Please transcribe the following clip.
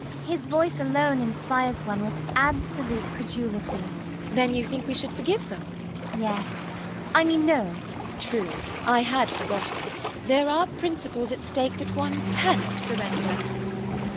His voice alone inspires one with absolute credulity. GWENDOLEN. Then you think we should forgive them? CECILY. Yes. I mean no. GWENDOLEN. True! I had forgotten. There are principles at stake that one cannot surrender.